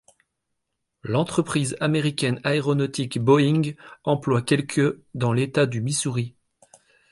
L'entreprise américaine aéronautique Boeing emploie quelque dans l'État du Missouri.